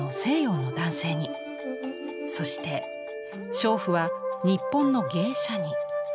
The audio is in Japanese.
そして娼婦は日本の芸者に。